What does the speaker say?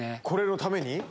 これのために？